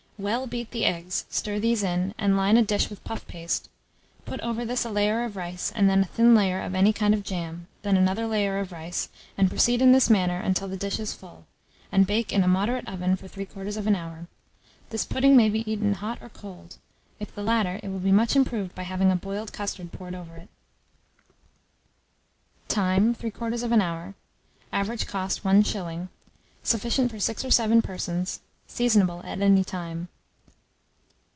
Well beat the eggs, stir these in, and line a dish with puff paste; put over this a layer of rice, then a thin layer of any kind of jam, then another layer of rice, and proceed in this manner until the dish is full; and bake in a moderate oven for 3/4 hour. This pudding may be eaten hot or cold; if the latter, it will be much improved by having a boiled custard poured over it. Time. 3/4 hour. Average cost, 1s. Sufficient for 6 or 7 persons. Seasonable at any time.